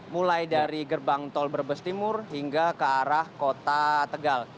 mulai dari gerbang tol brebes timur hingga ke arah kota tegal